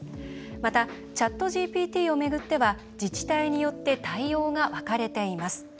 また、ＣｈａｔＧＰＴを巡っては自治体によって対応が分かれています。